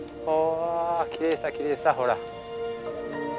きれいさきれいさほら。